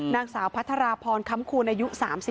นางสาวพัทรพรคำคูณอายุ๓๒